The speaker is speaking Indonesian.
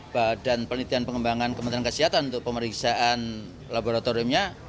badan penelitian pengembangan kementerian kesehatan untuk pemeriksaan laboratoriumnya